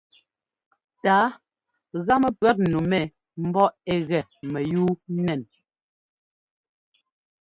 Tǎa gá mɛpʉ̈ɔtnu mɛ mbɔ ɛ gɛ mɛyúu nɛn.